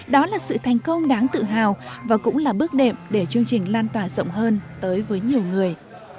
đó là sự thành công đáng tự hào và cũng là bước đệm để chương trình lan tỏa rộng hơn tới với nhiều người